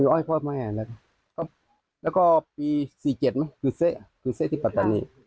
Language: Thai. คอยพ่อแม่แล้วแล้วก็ปี๔๗มั้ยคือเซทิพัฒนี